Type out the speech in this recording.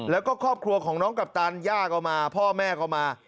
แล้วก็ครอบครัวของน้องกัปตันย่าก็มาพ่อแม่ก็มา